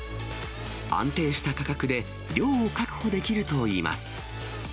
安定した価格で、量を確保できるといいます。